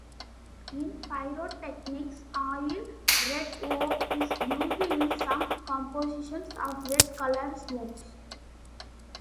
In pyrotechnics, Oil Red O is used in some compositions of red colored smokes.